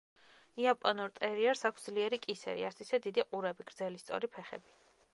იაპონურ ტერიერს აქვს ძლიერი კისერი, არც ისე დიდი ყურები, გრძელი, სწორი ფეხები.